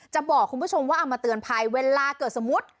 จะบอกคุณผู้ชมว่าเอามาเตือนภัยเวลาเกิดสมมุติ